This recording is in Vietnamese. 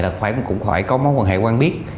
là cũng phải có mối quan hệ quan biết